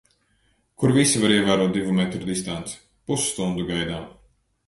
Kur visi var ievērot divu metru distanci. Pusstundu gaidām.